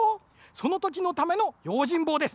そのときのためのようじんぼうです。